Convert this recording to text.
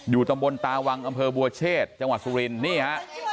ตำบลตาวังอำเภอบัวเชษจังหวัดสุรินนี่ฮะ